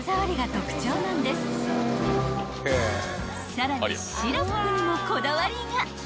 ［さらにシロップにもこだわりが］